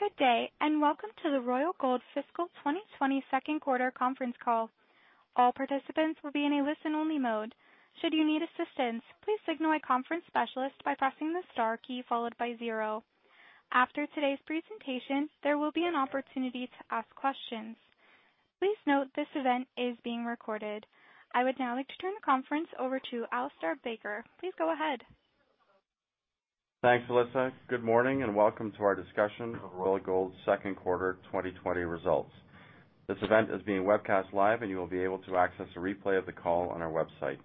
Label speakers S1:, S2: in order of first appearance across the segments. S1: Good day, and welcome to the Royal Gold fiscal 2020 second quarter conference call. All participants will be in a listen-only mode. Should you need assistance, please signal a conference specialist by pressing the star key followed by zero. After today's presentation, there will be an opportunity to ask questions. Please note this event is being recorded. I would now like to turn the conference over to Alistair Baker. Please go ahead.
S2: Thanks, Alyssa. Good morning, and welcome to our discussion of Royal Gold's second quarter 2020 results. This event is being webcast live, and you will be able to access a replay of the call on our website.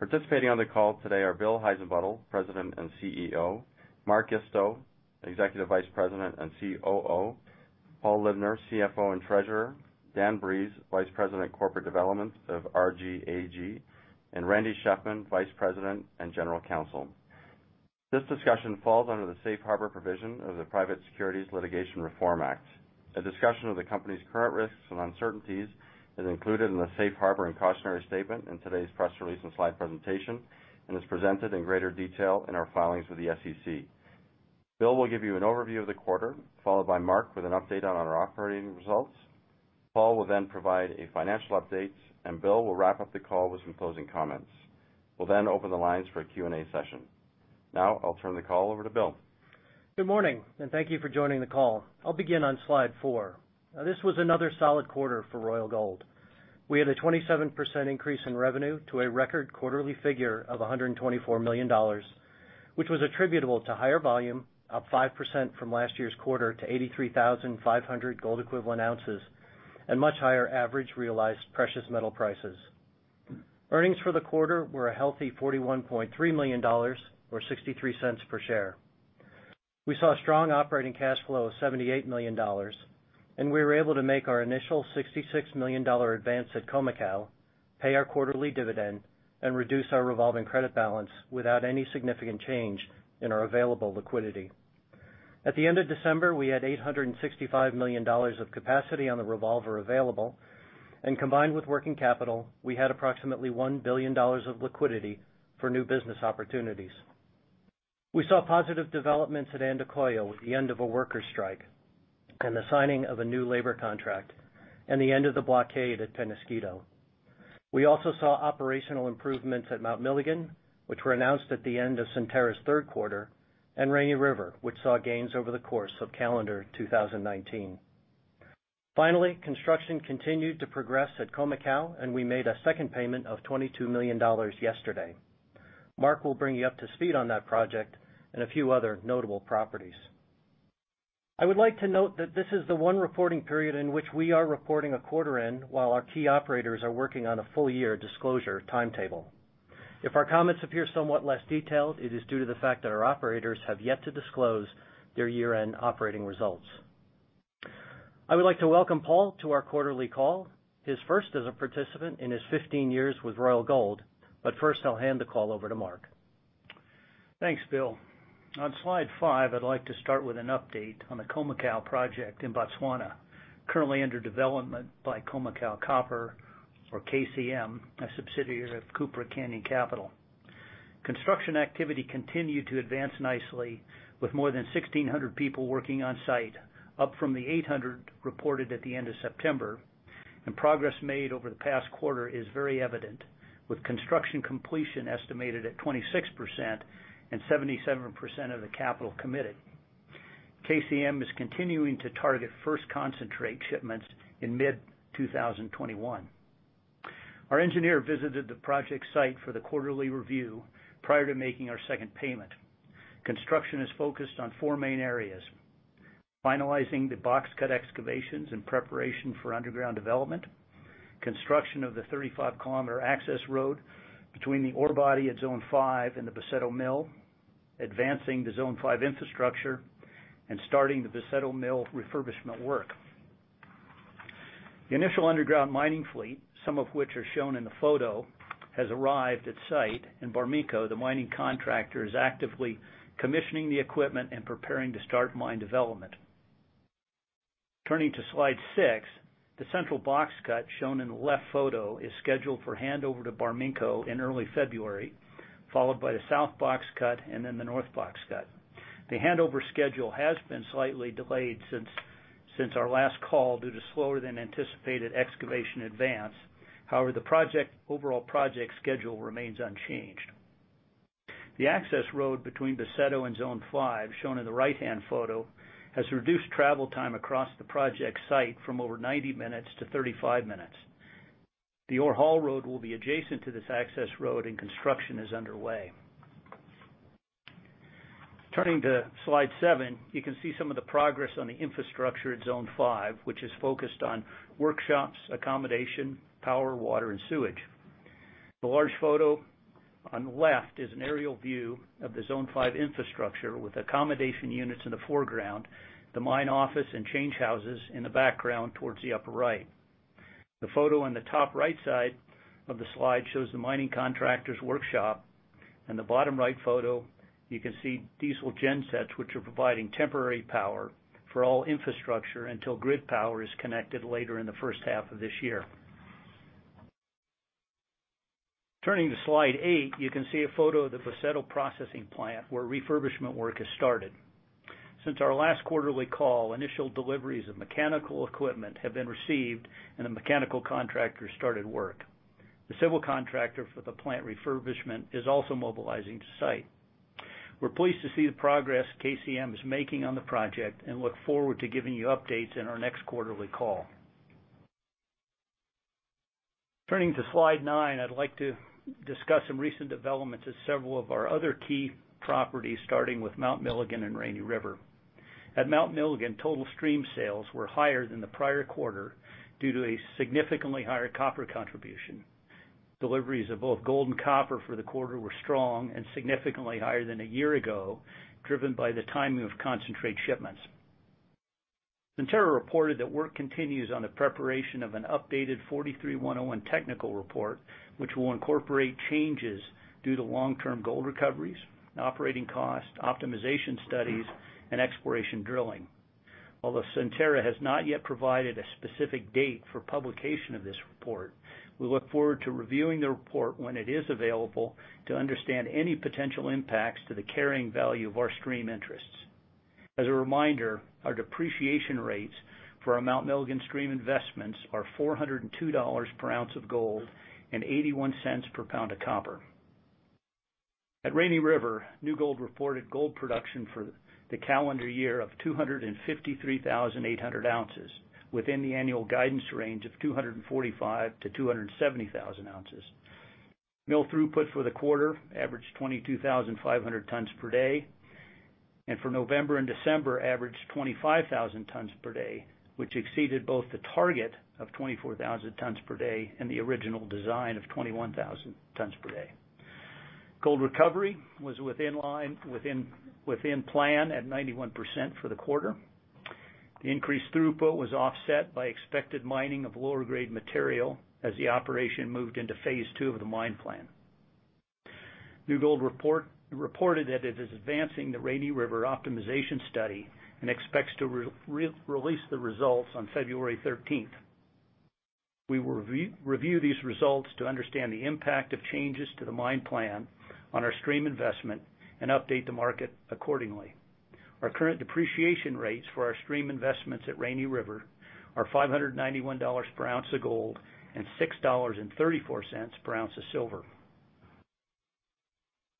S2: Participating on the call today are Bill Heissenbuttel, President and CEO, Mark Isto, Executive Vice President and COO, Paul Libner, CFO and Treasurer, Dan Breeze, Vice President Corporate Development of RGAG, and Randy Shefman, Vice President and General Counsel. This discussion falls under the Safe Harbor provision of the Private Securities Litigation Reform Act. A discussion of the company's current risks and uncertainties is included in the safe harbor and cautionary statement in today's press release and slide presentation and is presented in greater detail in our filings with the SEC. Bill will give you an overview of the quarter, followed by Mark with an update on our operating results. Paul will then provide a financial update, and Bill will wrap up the call with some closing comments. We'll then open the lines for a Q&A session. Now, I'll turn the call over to Bill.
S3: Good morning, and thank you for joining the call. I'll begin on slide four. Now, this was another solid quarter for Royal Gold. We had a 27% increase in revenue to a record quarterly figure of $124 million, which was attributable to higher volume, up 5% from last year's quarter to 83,500 gold equivalent ounces, and much higher average realized precious metal prices. Earnings for the quarter were a healthy $41.3 million, or $0.63 per share. We saw strong operating cash flow of $78 million, and we were able to make our initial $66 million advance at Khoemacau, pay our quarterly dividend, and reduce our revolving credit balance without any significant change in our available liquidity. At the end of December, we had $865 million of capacity on the revolver available, and combined with working capital, we had approximately $1 billion of liquidity for new business opportunities. We saw positive developments at Andacollo with the end of a worker strike and the signing of a new labor contract, and the end of the blockade at Peñasquito. We also saw operational improvements at Mount Milligan, which were announced at the end of Centerra's third quarter, and Rainy River, which saw gains over the course of calendar 2019. Finally, construction continued to progress at Khoemacau, and we made a second payment of $22 million yesterday. Mark will bring you up to speed on that project and a few other notable properties. I would like to note that this is the one reporting period in which we are reporting a quarter end while our key operators are working on a full year disclosure timetable. If our comments appear somewhat less detailed, it is due to the fact that our operators have yet to disclose their year-end operating results. I would like to welcome Paul to our quarterly call, his first as a participant in his 15 years with Royal Gold. First, I'll hand the call over to Mark.
S4: Thanks, Bill. On slide five, I'd like to start with an update on the Khoemacau project in Botswana, currently under development by Khoemacau Copper Mining, or KCM, a subsidiary of Cupric Canyon Capital. Construction activity continued to advance nicely with more than 1,600 people working on site, up from the 800 reported at the end of September. Progress made over the past quarter is very evident, with construction completion estimated at 26% and 77% of the capital committed. KCM is continuing to target first concentrate shipments in mid-2021. Our engineer visited the project site for the quarterly review prior to making our second payment. Construction is focused on four main areas. Finalizing the box cut excavations in preparation for underground development, construction of the 35 km access road between the ore body at zone five and the Boseto Mill, advancing the zone five infrastructure, and starting the Boseto Mill refurbishment work. The initial underground mining fleet, some of which are shown in the photo, has arrived at site, and Barminco, the mining contractor, is actively commissioning the equipment and preparing to start mine development. Turning to slide six, the central box cut shown in the left photo is scheduled for handover to Barminco in early February, followed by the south box cut and then the north box cut. The handover schedule has been slightly delayed since our last call due to slower-than-anticipated excavation advance. However, the overall project schedule remains unchanged. The access road between Boseto and Zone 5, shown in the right-hand photo, has reduced travel time across the project site from over 90 minutes to 35 minutes. The ore haul road will be adjacent to this access road, and construction is underway. Turning to slide seven, you can see some of the progress on the infrastructure at Zone 5, which is focused on workshops, accommodation, power, water, and sewage. The large photo on the left is an aerial view of the Zone 5 infrastructure with accommodation units in the foreground, the mine office, and change houses in the background towards the upper right. The photo on the top right side of the slide shows the mining contractor's workshop, and the bottom right photo, you can see diesel gen sets, which are providing temporary power for all infrastructure until grid power is connected later in the first half of this year. Turning to slide eight, you can see a photo of the Boseto processing plant where refurbishment work has started. Since our last quarterly call, initial deliveries of mechanical equipment have been received, and the mechanical contractor started work. The civil contractor for the plant refurbishment is also mobilizing to site. We're pleased to see the progress KCM is making on the project and look forward to giving you updates in our next quarterly call. Turning to slide nine, I'd like to discuss some recent developments at several of our other key properties, starting with Mount Milligan and Rainy River. At Mount Milligan, total stream sales were higher than the prior quarter due to a significantly higher copper contribution. Deliveries of both gold and copper for the quarter were strong and significantly higher than a year ago, driven by the timing of concentrate shipments. Centerra reported that work continues on the preparation of an updated 43-101 technical report, which will incorporate changes due to long-term gold recoveries, operating costs, optimization studies, and exploration drilling. Although Centerra has not yet provided a specific date for publication of this report, we look forward to reviewing the report when it is available to understand any potential impacts to the carrying value of our stream interests. As a reminder, our depreciation rates for our Mount Milligan stream investments are $402 per ounce of gold and $0.81 per pound of copper. At Rainy River, New Gold reported gold production for the calendar year of 253,800 ounces, within the annual guidance range of 245,000-270,000 ounces. Mill throughput for the quarter averaged 22,500 tons per day, and for November and December, averaged 25,000 tons per day, which exceeded both the target of 24,000 tons per day and the original design of 21,000 tons per day. Gold recovery was within plan at 91% for the quarter. The increased throughput was offset by expected mining of lower-grade material as the operation moved into phase II of the mine plan. New Gold reported that it is advancing the Rainy River optimization study and expects to release the results on February 13th. We will review these results to understand the impact of changes to the mine plan on our stream investment and update the market accordingly. Our current depreciation rates for our stream investments at Rainy River are $591 per ounce of gold and $6.34 per ounce of silver.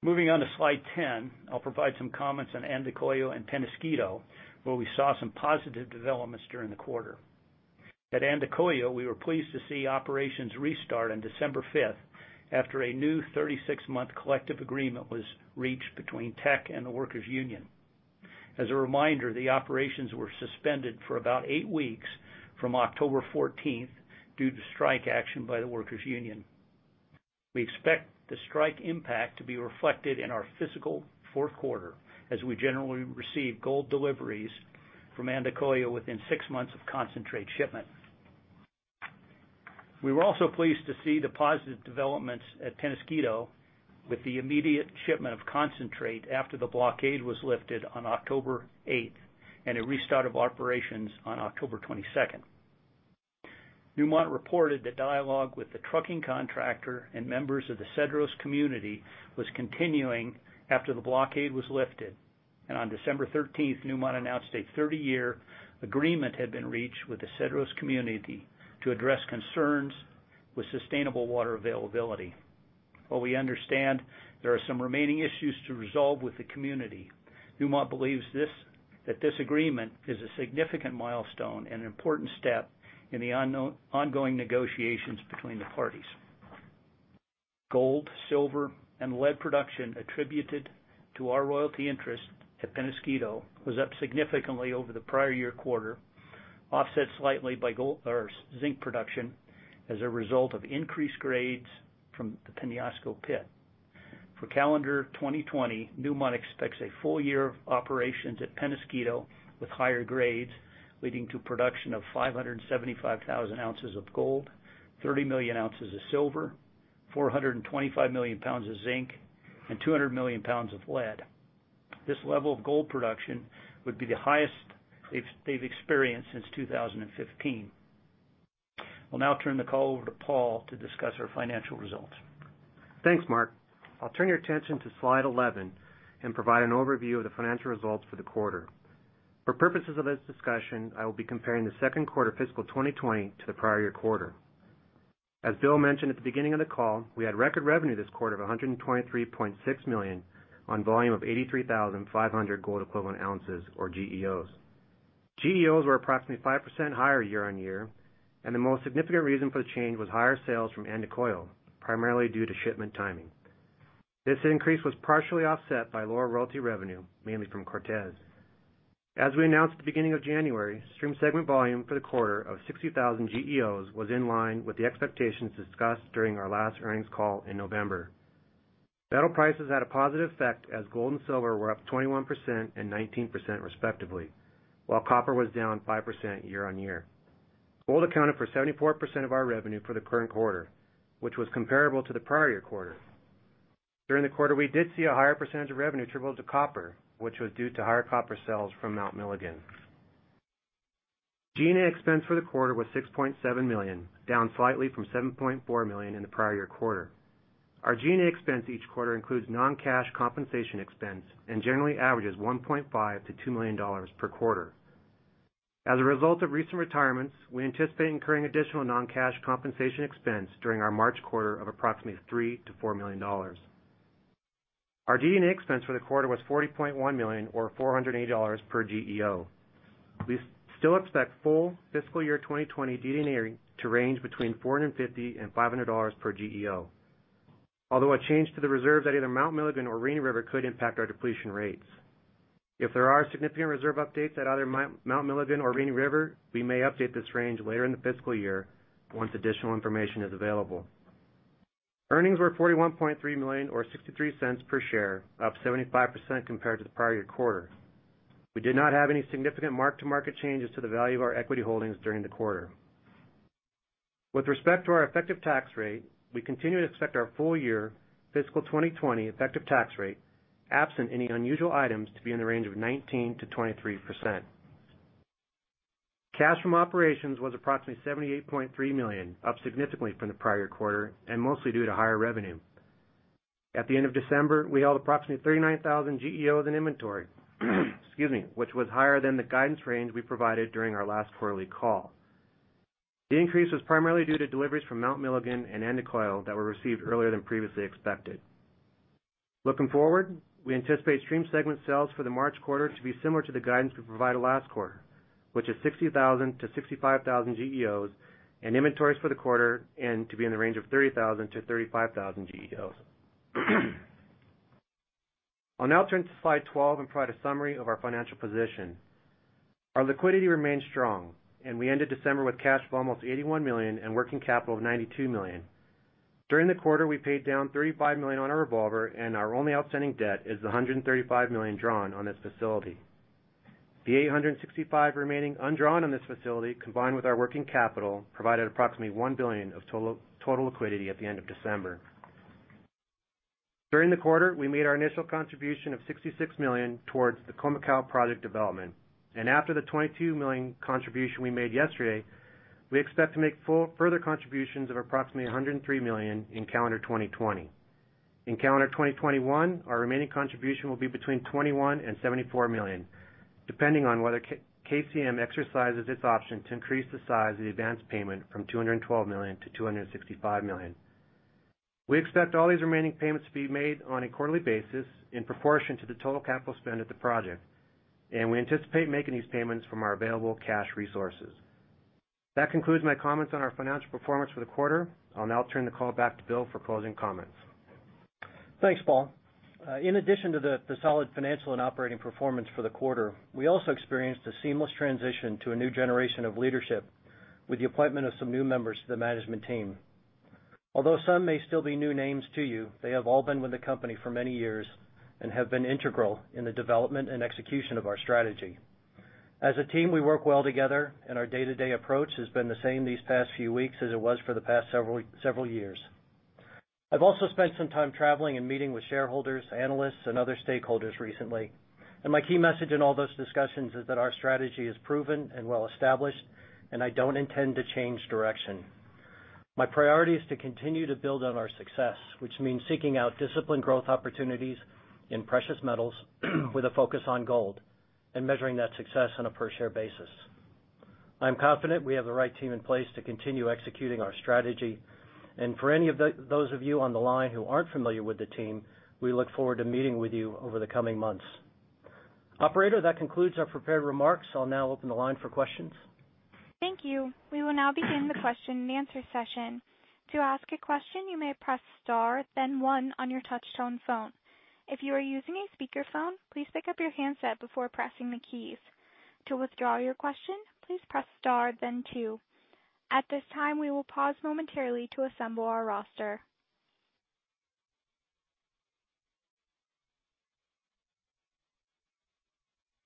S4: Moving on to slide 10, I'll provide some comments on Andacollo and Peñasquito, where we saw some positive developments during the quarter. At Andacollo, we were pleased to see operations restart on December 5th, after a new 36-month collective agreement was reached between Teck and the Workers Union. As a reminder, the operations were suspended for about eight weeks from October 14th due to strike action by the Workers Union. We expect the strike impact to be reflected in our fiscal fourth quarter, as we generally receive gold deliveries from Andacollo within six months of concentrate shipment. We were also pleased to see the positive developments at Peñasquito with the immediate shipment of concentrate after the blockade was lifted on October 8th, and a restart of operations on October 22nd. Newmont reported that dialogue with the trucking contractor and members of the Cedros community was continuing after the blockade was lifted, and on December 13th, Newmont announced a 30-year agreement had been reached with the Cedros community to address concerns with sustainable water availability. While we understand there are some remaining issues to resolve with the community, Newmont believes that this agreement is a significant milestone and an important step in the ongoing negotiations between the parties. Gold, silver, and lead production attributed to our royalty interest at Peñasquito was up significantly over the prior year quarter, offset slightly by zinc production as a result of increased grades from the Peñasco pit. For calendar 2020, Newmont expects a full year of operations at Peñasquito with higher grades, leading to production of 575,000 ounces of gold, 30 million ounces of silver, 425 million pounds of zinc, and 200 million pounds of lead. This level of gold production would be the highest they've experienced since 2015. I'll now turn the call over to Paul to discuss our financial results.
S5: Thanks, Mark. I'll turn your attention to slide 11 and provide an overview of the financial results for the quarter. For purposes of this discussion, I will be comparing the second quarter fiscal 2020 to the prior year quarter. As Bill mentioned at the beginning of the call, we had record revenue this quarter of $123.6 million on volume of 83,500 gold equivalent ounces, or GEOs. GEOs were approximately 5% higher year on year, and the most significant reason for the change was higher sales from Andacollo, primarily due to shipment timing. This increase was partially offset by lower royalty revenue, mainly from Cortez. As we announced at the beginning of January, stream segment volume for the quarter of 60,000 GEOs was in line with the expectations discussed during our last earnings call in November. Metal prices had a positive effect as gold and silver were up 21% and 19% respectively, while copper was down 5% year-over-year. Gold accounted for 74% of our revenue for the current quarter, which was comparable to the prior-year quarter. During the quarter, we did see a higher percentage of revenue attributable to copper, which was due to higher copper sales from Mount Milligan. G&A expense for the quarter was $6.7 million, down slightly from $7.4 million in the prior-year quarter. Our G&A expense each quarter includes non-cash compensation expense and generally averages $1.5 million-$2 million per quarter. As a result of recent retirements, we anticipate incurring additional non-cash compensation expense during our March quarter of approximately $3 million-$4 million. Our G&A expense for the quarter was $40.1 million or $480 per GEO. We still expect full fiscal year 2020 DD&A to range between $450 and $500 per GEO. A change to the reserves at either Mount Milligan or Rainy River could impact our depletion rates. If there are significant reserve updates at either Mount Milligan or Rainy River, we may update this range later in the fiscal year once additional information is available. Earnings were $41.3 million, or $0.63 per share, up 75% compared to the prior year quarter. We did not have any significant mark-to-market changes to the value of our equity holdings during the quarter. With respect to our effective tax rate, we continue to expect our full year fiscal 2020 effective tax rate, absent any unusual items, to be in the range of 19%-23%. Cash from operations was approximately $78.3 million, up significantly from the prior quarter, mostly due to higher revenue. At the end of December, we held approximately 39,000 GEOs in inventory, which was higher than the guidance range we provided during our last quarterly call. The increase was primarily due to deliveries from Mount Milligan and Andacollo that were received earlier than previously expected. Looking forward, we anticipate stream segment sales for the March quarter to be similar to the guidance we provided last quarter, which is 60,000-65,000 GEOs, and inventories for the quarter and to be in the range of 30,000-35,000 GEOs. I'll now turn to slide 12 and provide a summary of our financial position. Our liquidity remains strong, and we ended December with cash of almost $81 million and working capital of $92 million. During the quarter, we paid down $35 million on our revolver, and our only outstanding debt is the $135 million drawn on this facility. The $865 million remaining undrawn on this facility, combined with our working capital, provided approximately $1 billion of total liquidity at the end of December. During the quarter, we made our initial contribution of $66 million towards the Khoemacau project development. After the $22 million contribution we made yesterday, we expect to make further contributions of approximately $103 million in calendar 2020. In calendar 2021, our remaining contribution will be between $21 million and $74 million, depending on whether KCM exercises its option to increase the size of the advanced payment from $212 million to $265 million. We expect all these remaining payments to be made on a quarterly basis in proportion to the total capital spend of the project. We anticipate making these payments from our available cash resources. That concludes my comments on our financial performance for the quarter. I'll now turn the call back to Bill for closing comments.
S3: Thanks, Paul. In addition to the solid financial and operating performance for the quarter, we also experienced a seamless transition to a new generation of leadership with the appointment of some new members to the management team. Although some may still be new names to you, they have all been with the company for many years and have been integral in the development and execution of our strategy. As a team, we work well together and our day-to-day approach has been the same these past few weeks as it was for the past several years. I've also spent some time traveling and meeting with shareholders, analysts, and other stakeholders recently. My key message in all those discussions is that our strategy is proven and well established, and I don't intend to change direction. My priority is to continue to build on our success, which means seeking out disciplined growth opportunities in precious metals with a focus on gold, and measuring that success on a per share basis. I'm confident we have the right team in place to continue executing our strategy. For any of those of you on the line who aren't familiar with the team, we look forward to meeting with you over the coming months. Operator, that concludes our prepared remarks. I'll now open the line for questions.
S1: Thank you. We will now begin the question and answer session. To ask a question, you may press star then one on your touch tone phone. If you are using a speakerphone, please pick up your handset before pressing the keys. To withdraw your question, please press star then two. At this time, we will pause momentarily to assemble our roster.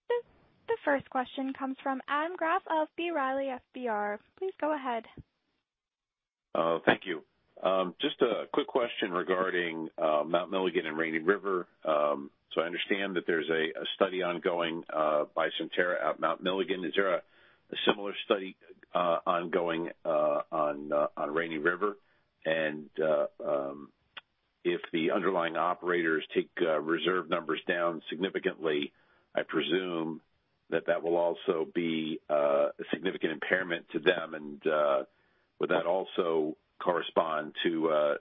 S1: The first question comes from Adam Graf of B. Riley FBR. Please go ahead.
S6: Thank you. Just a quick question regarding Mount Milligan and Rainy River. I understand that there's a study ongoing by Centerra at Mount Milligan. Is there a similar study ongoing on Rainy River? If the underlying operators take reserve numbers down significantly, I presume that that will also be a significant impairment to them and would that also correspond to a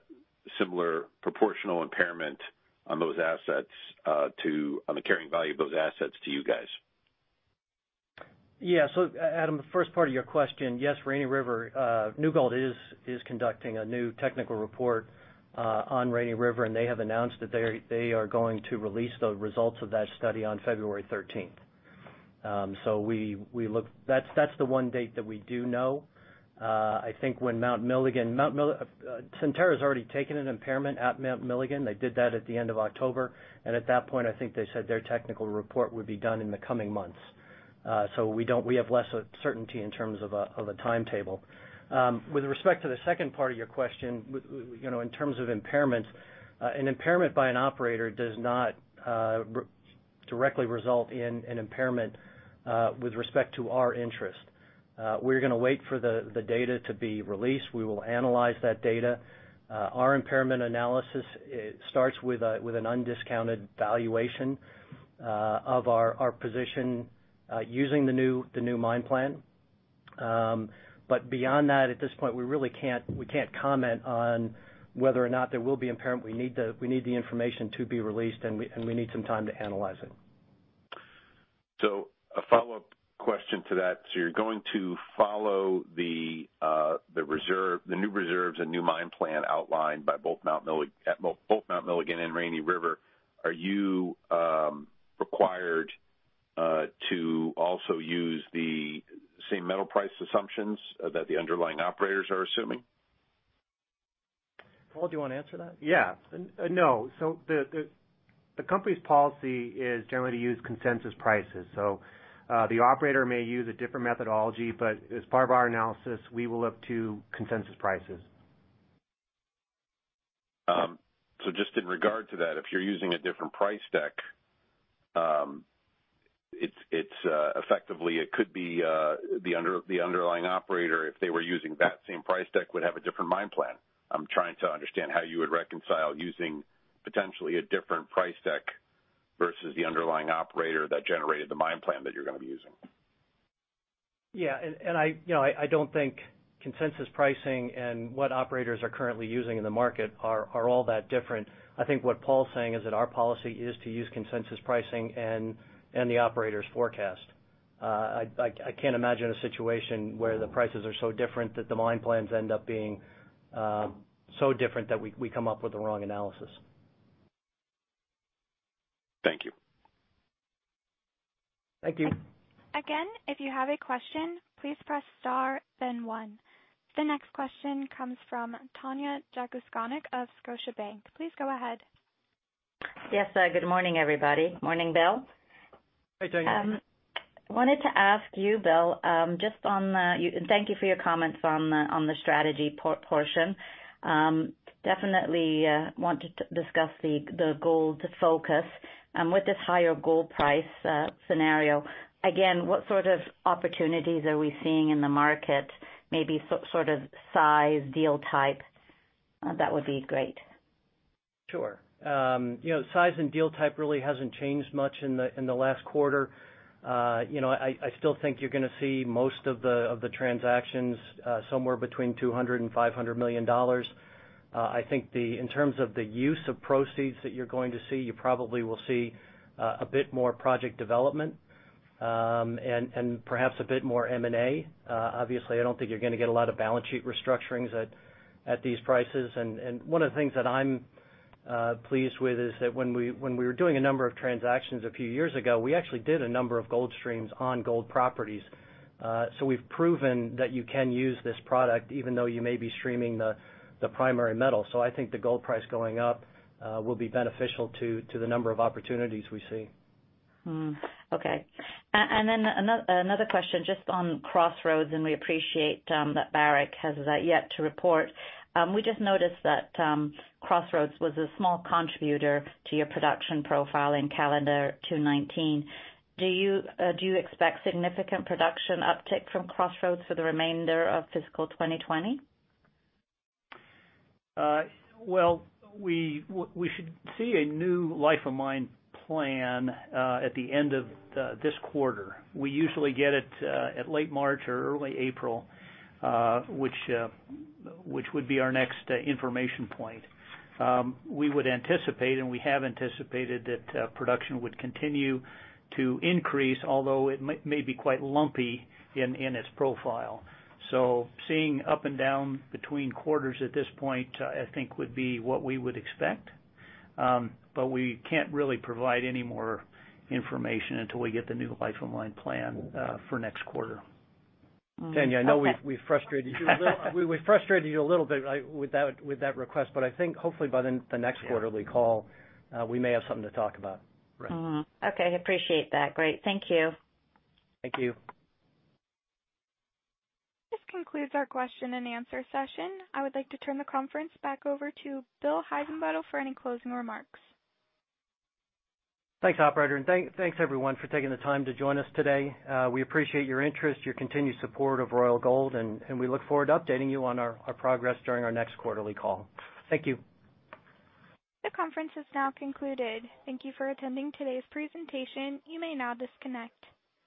S6: similar proportional impairment on the carrying value of those assets to you guys?
S3: Yeah. Adam, the first part of your question, yes, New Gold is conducting a new technical report on Rainy River, and they have announced that they are going to release the results of that study on February 13th. That's the one date that we do know. Centerra's already taken an impairment at Mount Milligan. They did that at the end of October, and at that point, I think they said their technical report would be done in the coming months. We have less certainty in terms of a timetable. With respect to the second part of your question, in terms of impairment, an impairment by an operator does not directly result in an impairment with respect to our interest. We're going to wait for the data to be released. We will analyze that data. Our impairment analysis starts with an undiscounted valuation of our position using the new mine plan. Beyond that, at this point, we really can't comment on whether or not there will be impairment. We need the information to be released, and we need some time to analyze it.
S6: A follow-up question to that. You're going to follow the new reserves and new mine plan outlined by both at Mount Milligan and Rainy River. Are you required to also use the same metal price assumptions that the underlying operators are assuming?
S3: Paul, do you want to answer that?
S5: Yeah. No. The company's policy is generally to use consensus prices. The operator may use a different methodology, but as part of our analysis, we will look to consensus prices.
S6: Just in regard to that, if you're using a different price deck, effectively, it could be the underlying operator, if they were using that same price deck, would have a different mine plan. I'm trying to understand how you would reconcile using potentially a different price deck versus the underlying operator that generated the mine plan that you're going to be using.
S3: Yeah. I don't think consensus pricing and what operators are currently using in the market are all that different. I think what Paul's saying is that our policy is to use consensus pricing and the operator's forecast. I can't imagine a situation where the prices are so different that the mine plans end up being so different that we come up with the wrong analysis.
S6: Thank you.
S5: Thank you.
S1: Again, if you have a question, please press star, then one. The next question comes from Tanya Jakusconek of Scotiabank. Please go ahead.
S7: Yes. Good morning, everybody. Morning, Bill.
S3: Hi, Tanya.
S7: I wanted to ask you, Bill, thank you for your comments on the strategy portion. Definitely want to discuss the gold focus. With this higher gold price scenario, again, what sort of opportunities are we seeing in the market? Maybe sort of size, deal type? That would be great.
S3: Sure. Size and deal type really hasn't changed much in the last quarter. I still think you're going to see most of the transactions somewhere between $200 million and $500 million. I think in terms of the use of proceeds that you're going to see, you probably will see a bit more project development, and perhaps a bit more M&A. Obviously, I don't think you're going to get a lot of balance sheet restructurings at these prices. One of the things that I'm pleased with is that when we were doing a number of transactions a few years ago, we actually did a number of gold streams on gold properties. We've proven that you can use this product even though you may be streaming the primary metal. I think the gold price going up will be beneficial to the number of opportunities we see.
S7: Okay. Another question just on Crossroads, and we appreciate that Barrick has that yet to report. We just noticed that Crossroads was a small contributor to your production profile in calendar 2019. Do you expect significant production uptick from Crossroads for the remainder of fiscal 2020?
S4: Well, we should see a new life of mine plan at the end of this quarter. We usually get it at late March or early April, which would be our next information point. We would anticipate, and we have anticipated, that production would continue to increase, although it may be quite lumpy in its profile. Seeing up and down between quarters at this point, I think would be what we would expect. We can't really provide any more information until we get the new life of mine plan for next quarter.
S3: Tanya, I know we've frustrated you a little bit with that request, but I think hopefully by the next quarterly call, we may have something to talk about.
S4: Right.
S7: Okay. Appreciate that. Great. Thank you.
S3: Thank you.
S1: This concludes our question and answer session. I would like to turn the conference back over to Bill Heissenbuttel for any closing remarks.
S3: Thanks, operator, and thanks everyone for taking the time to join us today. We appreciate your interest, your continued support of Royal Gold, and we look forward to updating you on our progress during our next quarterly call. Thank you.
S1: The conference is now concluded. Thank you for attending today's presentation. You may now disconnect.